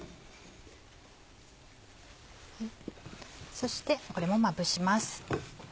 そしてこれもまぶします。